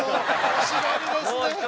欲しがりますね。